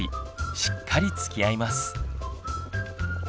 しっかりつきあいます。